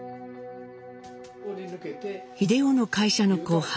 英夫の会社の後輩